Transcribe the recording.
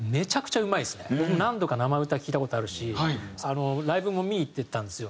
僕何度か生歌聴いた事あるしライブも見に行ってたんですよ。